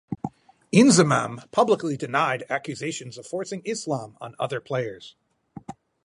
Inzamam publicly denied accusations of forcing Islam on other players.